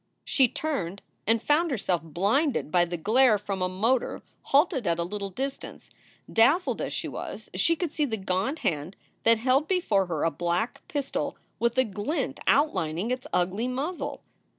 " She turned and found herself blinded by the glare from a motor halted at a little distance. Dazzled as she was, she could see the gaunt hand that held before her a black pistol with a glint outlining its ugly muzzle.